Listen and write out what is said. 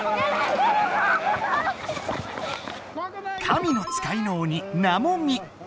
神の使いのおに「なもみ」。